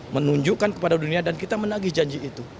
menunjukkan kepada dunia dan kita menagih janji itu